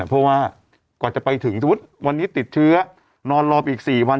เพราะว่ากว่าจะไปถึงสมมุติวันนี้ติดเชื้อนอนรอไปอีก๔วัน